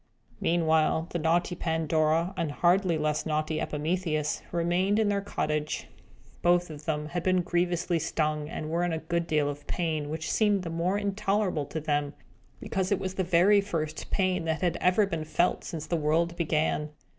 Meanwhile, the naughty Pandora, and hardly less naughty Epimetheus, remained in their cottage. Both of them had been grievously stung, and were in a good deal of pain, which seemed the more intolerable to them, because it was the very first pain that had ever been felt since the world began.